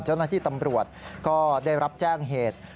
เจ้าหน้าที่ตำรวจก็ได้รับแจ้งเหตุ